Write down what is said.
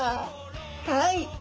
はい。